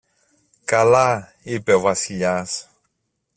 καλά, είπε ο Βασιλιάς.